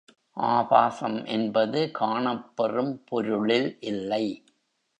ஆபாசம் என்பது காணப்பெறும் பொருளில் இல்லை.